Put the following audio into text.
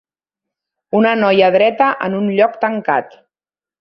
Una noia dreta en un lloc tancat.